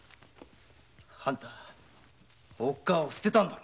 あんたおっかぁを捨てたんだろ。